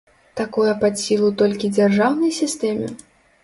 Такое пад сілу толькі дзяржаўнай сістэме?